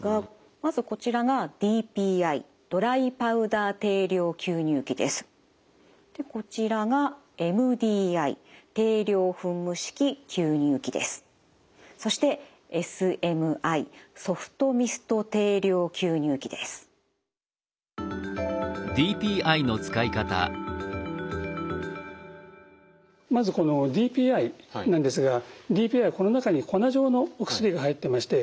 まずこちらがでこちらがそしてまずこのＤＰＩなんですがＤＰＩはこの中に粉状のお薬が入ってまして。